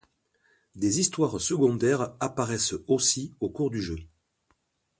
Des histoires secondaires apparaissent aussi au cours du jeu.